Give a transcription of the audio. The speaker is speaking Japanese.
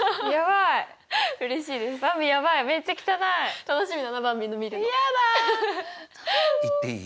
いっていい？